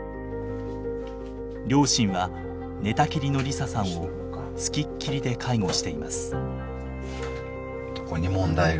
両親は寝たきりの梨沙さんを付きっきりで介護しています。